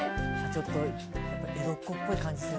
ちょっと江戸っ子っぽい感じする。